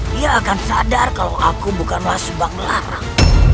dia akan sadar kalau aku bukanlah sebag larang